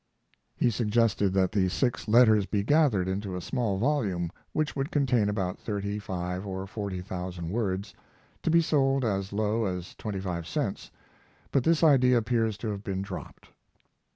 He suggested that the six letters be gathered into a small volume which would contain about thirty five or forty thousand words, to be sold as low as twenty five cents, but this idea appears to have been dropped.